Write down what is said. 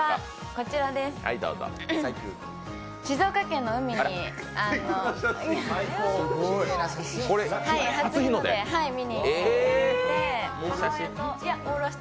静岡県に海に初日の出見に行って。